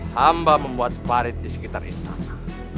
hamba membuat parit di sekitar istana